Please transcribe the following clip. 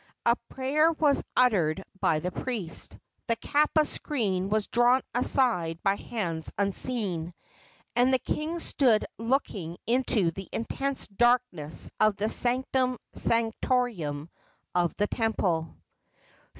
A prayer was uttered by the priest; the kapa screen was drawn aside by hands unseen, and the king stood looking into the intense darkness of the sanctum sanctorum of the temple.